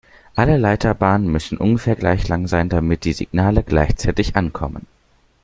Alle Leiterbahnen müssen ungefähr gleich lang sein, damit die Signale gleichzeitig ankommen.